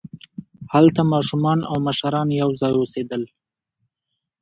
هلته ماشومان او مشران یوځای اوسېدل.